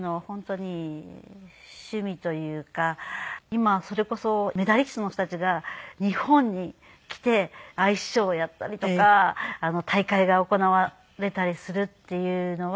今はそれこそメダリストの人たちが日本に来てアイスショーをやったりとか大会が行われたりするっていうのはやっぱり。